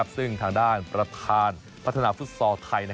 ซึ่งทางด้านประธานพัฒนาฟุตซอลไทย